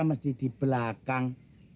mesti di belakang